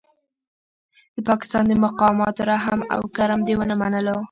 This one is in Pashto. د پاکستان د مقاماتو رحم او کرم دې ونه منلو.